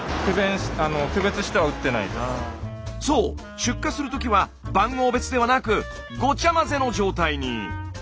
出荷する時は番号別ではなくごちゃまぜの状態に。